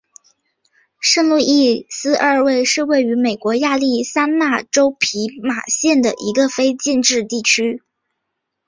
圣路易斯二号是位于美国亚利桑那州皮马县的一个非建制地区。